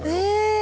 え！